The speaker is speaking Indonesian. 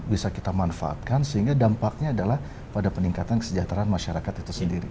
bisa kita manfaatkan sehingga dampaknya adalah pada peningkatan kesejahteraan masyarakat itu sendiri